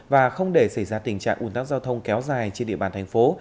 và không để xảy ra tình trạng ủn tắc giao thông kéo dài trên địa bàn thành phố